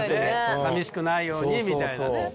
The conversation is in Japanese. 寂しくないようにみたいなね。